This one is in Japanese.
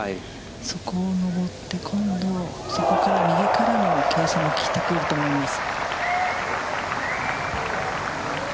そこを上って、今度そこから、右からの傾斜もきいてくると思います。